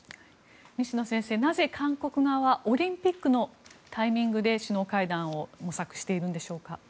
西野先生、なぜ韓国側はオリンピックのタイミングで首脳会談を模索しているんでしょうか？